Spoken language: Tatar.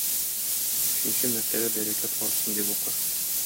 Өченче мәртәбә бәрәкәт артсын дип укыр.